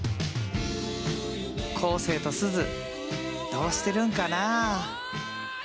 生とすずどうしてるんかな？